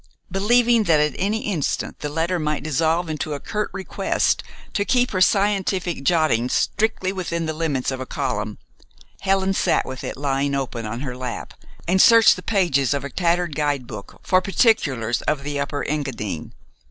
Believing that at any instant the letter might dissolve into a curt request to keep her scientific jottings strictly within the limits of a column, Helen sat with it lying open on her lap, and searched the pages of a tattered guidebook for particulars of the Upper Engadine.